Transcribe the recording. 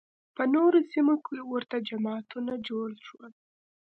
په نورو سیمو کې ورته جماعتونه جوړ شول